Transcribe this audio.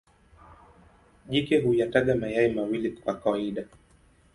Jike huyataga mayai mawili kwa kawaida.